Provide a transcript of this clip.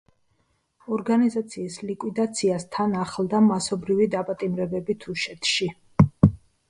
ორგანიზაციის ლიკვიდაციას თან ახლდა მასობრივი დაპატიმრებები თუშეთში.